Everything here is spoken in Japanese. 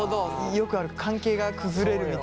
よくある関係が崩れるみたいな。